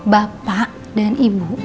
bapak dan ibu